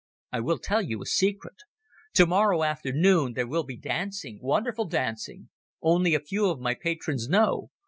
I will tell you a secret. Tomorrow afternoon there will be dancing—wonderful dancing! Only a few of my patrons know.